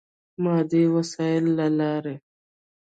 مادي وسایلو له لارې.